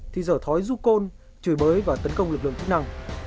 thì dở thói du côn chửi bới và tấn công lực lượng chức năng